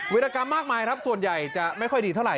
รกรรมมากมายครับส่วนใหญ่จะไม่ค่อยดีเท่าไห